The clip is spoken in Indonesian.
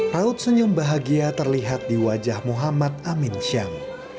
raut senyum bahagia terlihat di wajah muhammad amin syam